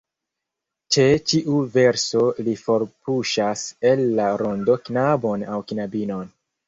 Ĉe ĉiu verso li forpuŝas el la rondo knabon aŭ knabinon.